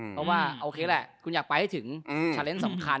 เพราะว่าโอเคแหละคุณอยากไปให้ถึงชาเลนส์สำคัญ